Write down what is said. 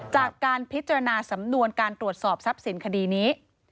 จากการพิจารณาสำนวนการตรวจสอบทรัพย์สินคดีนี้